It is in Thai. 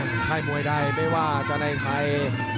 ให้มวยได้ไม่ว่าจะได้ใคร